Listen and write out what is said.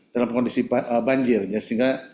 dalam kondisi banjir ya sehingga